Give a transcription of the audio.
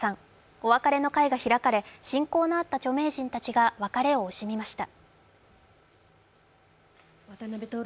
お別れの会が開かれ、親交のあった著名人たちが別れを惜しみました。